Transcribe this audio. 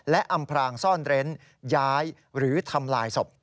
และอำพรางซ่อนเร้นย้ายหรือทำลายศพ